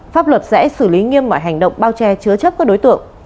pháp luật sẽ xử lý nghiêm mọi hành động bao che chứa chấp các đối tượng